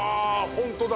本当だ。